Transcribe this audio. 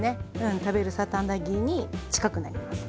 うん食べるサーターアンダギーに近くなります。